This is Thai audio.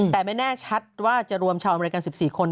แต่ไม่แน่ชัดว่าจะรวมชาวอเมริกัน๑๔คน